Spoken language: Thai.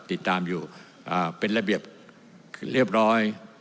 ติดตามอยู่เป็นระเบียบเรียบร้อย